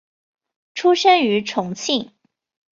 出生于重庆。